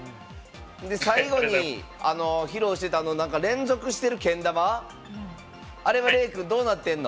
最後に披露してた連続してるけん玉、あれは礼くんどうなってるの？